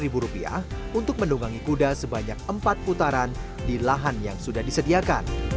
anda cukup merokok kocek rp lima puluh untuk mendunggangi kuda sebanyak empat putaran di lahan yang sudah disediakan